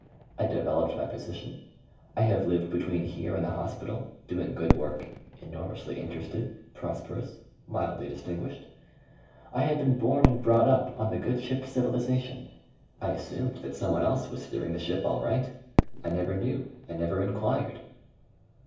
I developed my position; I have lived between here and the hospital, doing good work, enormously interested, prosperous, mildly distinguished. I had been born and brought up on the good ship Civilization. I assumed that someone else was steering the ship all right. I never knew; I never enquired."